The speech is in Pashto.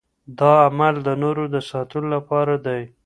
دا عمل د نورو د ساتلو لپاره دی.